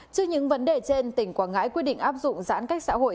trước những vấn đề trên tỉnh quảng ngãi quyết định áp dụng giãn cách xã hội